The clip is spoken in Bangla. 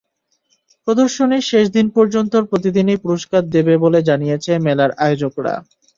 প্রদর্শনীর শেষ দিন পর্যন্ত প্রতিদিনই পুরস্কার দেবে বলে জানিয়েছে মেলার আয়োজকেরা।